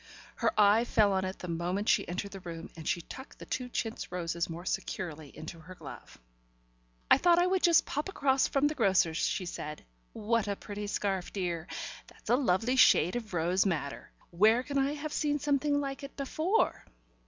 Her eye fell on it the moment she entered the room, and she tucked the two chintz roses more securely into her glove. "I thought I would just pop across from the grocer's," she said. "What a pretty scarf, dear! That's a lovely shade of rose madder. Where can I have seen something like it before?"